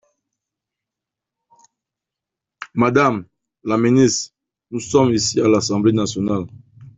Madame la ministre, nous sommes ici à l’Assemblée nationale.